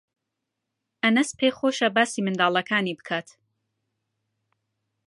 ئەنەس پێی خۆشە باسی منداڵەکانی بکات.